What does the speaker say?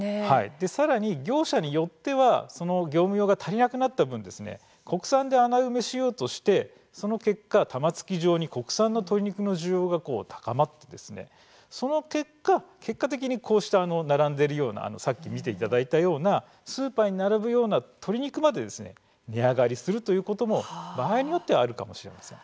さらに業者によってはその業務用が足りなくなった分国産で穴埋めしようとしてその結果玉突き状に国産の鶏肉の需要が高まってその結果結果的にこうした並んでいるようなさっき見ていただいたようなスーパーに並ぶような鶏肉まで値上がりするということも場合によってはあるかもしれません。